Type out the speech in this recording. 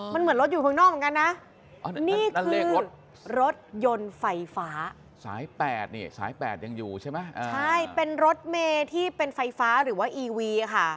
มันเหมือนรถอยู่ข้างนอกเหมือนกันนะนี่คือรถรถยนต์ไฟฟ้าสายแปดนี่สายแปดยังอยู่ใช่ไหมใช่เป็นรถเมที่เป็นไฟฟ้าหรือว่าอีวีค่ะ